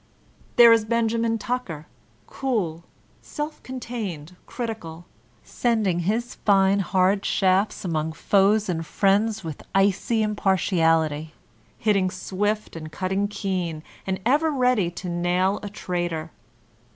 There is Benjamin Tucker— cool, self contained, crit ical,— sending his fine hard shafts among foes and friends Il6 VOLTAnUNE DB ClEYKB with iqr impartiality, hitting swift and cutting keen» ^and ever ready to nail a traitor.